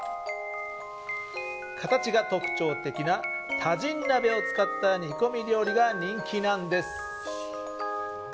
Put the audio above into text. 形が特徴的なタジン鍋を使った煮込み料理が人気なんです。